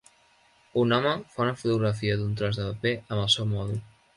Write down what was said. Un home fa una fotografia d'un tros de paper amb el seu mòbil.